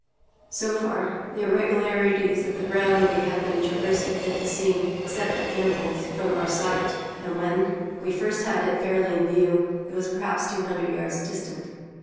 So far, the irregularities of the ground we had been traversing hid the sea, except at intervals, from our sight, and, when we first had it fairly in view, it was perhaps two hundred yards distant.